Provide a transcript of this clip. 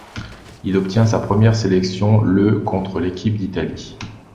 Il obtient sa première sélection le contre l'équipe d'Italie.